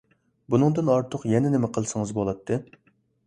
بۇنىڭدىن ئارتۇق يەنە نېمە قىلسىڭىز بولاتتى؟